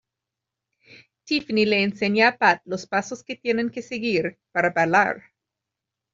Tiffany le enseña a Pat los pasos que tienen que seguir para bailar.